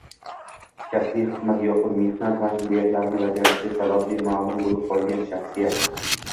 kasbiy, xizmat yoxud mehnat majburiyatlarini bajarishi sababli ma’lum bo‘lib qolgan shaxsga